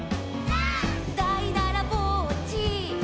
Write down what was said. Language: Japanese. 「」「だいだらぼっち」「」